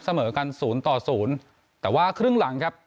เสมอกันศูนย์ต่อศูนย์แต่ว่าครึ่งหลังครับ